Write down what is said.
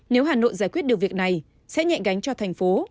nếu hà nội giải quyết được việc này sẽ nhạy gánh cho thành phố